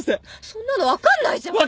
そんなの分かんないじゃん。